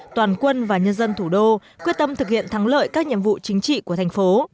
toàn quân và nhân dân thủ đô quyết tâm thực hiện thắng lợi các nhiệm vụ chính trị của thành phố